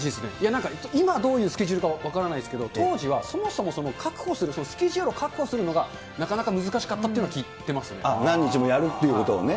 なんか今、どういうスケジュールか分からないですけど、当時はそもそも確保する、スケジュールを確保するのがなかなか難しかったっていうの何日もやるっていうことをね。